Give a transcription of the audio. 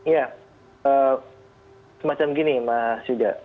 ya semacam gini mas yuda